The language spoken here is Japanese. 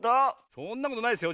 そんなことないですよ。